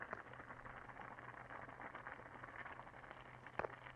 কথা দিলাম আমরা পরিস্থিতি নিয়ন্ত্রণে নিয়ে আসব।